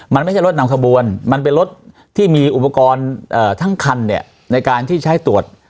มันไม่ใช่รถนำขบวนมันเป็นรถที่มีอุปกรณ์ทั้งคันเนี่ยในการที่ใช้ตรวจ